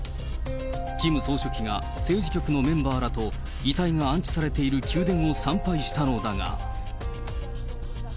キム総書記が政治局のメンバーらと遺体が安置されている宮殿を参拝したのだが。